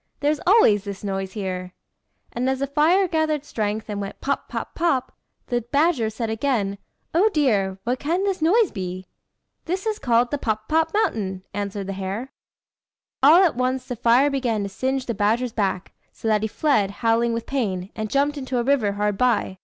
There's always this noise here." And as the fire gathered strength, and went pop! pop! pop! the badger said again "Oh dear! what can this noise be?" "This is called the 'Pop! Pop! Mountain,'" answered the hare. [Illustration: THE HARE AND THE BADGER.] All at once the fire began to singe the badger's back, so that he fled, howling with pain, and jumped into a river hard by.